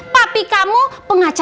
papi kamu pengacara